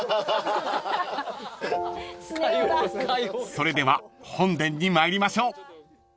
［それでは本殿に参りましょう］